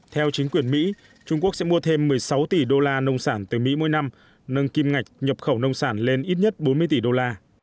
theo chính quyền mỹ trung quốc sẽ mua thêm một mươi sáu tỷ đô la nông sản từ mỹ mỗi năm nâng kim ngạch nhập khẩu nông sản lên ít nhất bốn mươi tỷ đô la